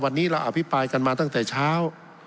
วันนี้เราอภิปรายกันมาตั้งแต่เช้า